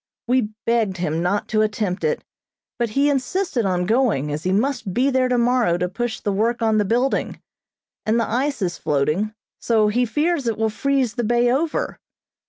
We begged him not to attempt it, but he insisted on going, as he must be there tomorrow to push the work on the building, and the ice is floating, so he fears it will freeze the bay over.